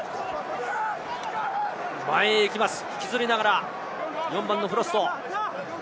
前に行きます、引きずりながら、フロスト。